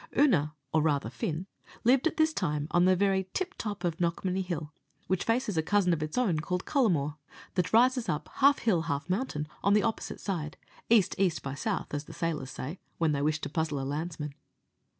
Oonagh, or rather Fin, lived at this time on the very tip top of Knockmany Hill, which faces a cousin of its own called Cullamore, that rises up, half hill, half mountain, on the opposite side east east by south, as the sailors say, when they wish to puzzle a landsman.